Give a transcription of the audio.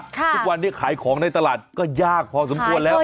ทุกวันนี้ขายของในตลาดก็ยากพอสมควรแล้ว